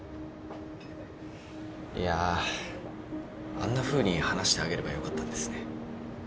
いやぁあんなふうに話してあげればよかったんですね。